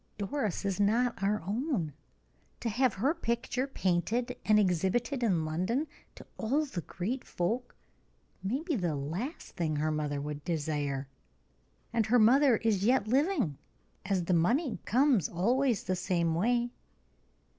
Doris is not our own. To have her picture painted and exhibited in London to all the great folk, may be the last thing her mother would desire: and her mother is yet living, as the money comes always the same way."